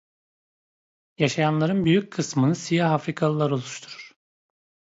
Yaşayanların büyük kısmını siyah Afrikalılar oluşturur.